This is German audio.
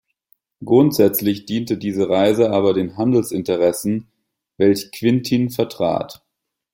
Grundsätzlich diente diese Reise aber den Handelsinteressen, welch Quintin vertrat.